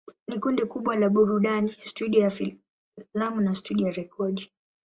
Ni kundi kubwa la burudani, studio ya filamu na studio ya rekodi.